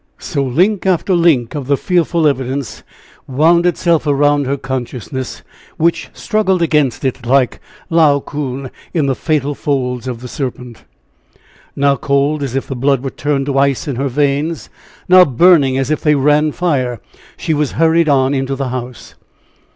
So link after link of the fearful evidence wound itself around her consciousness, which struggled against it, like Laocoon in the fatal folds of the serpent. Now cold as if the blood were turned to ice in her veins, now burning as if they ran fire, she was hurried on into the house.